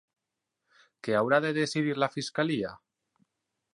Què haurà de decidir la fiscalia?